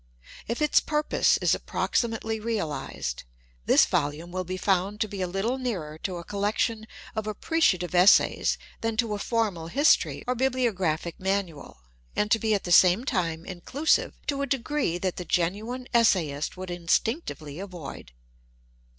If its pinpose is approximately realized, this volume will be found to be a little nearer to a col lection of appreciative essays than to a formal histoiy or bibliographic manual, and to be at the same time in clusive to a degree that the genuine essayist would instinc tively avoid.